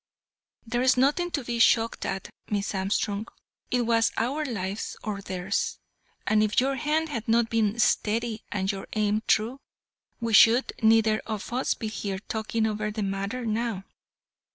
"There's nothing to be shocked at, Miss Armstrong; it was our lives or theirs; and if your hand had not been steady, and your aim true, we should neither of us be here talking over the matter now.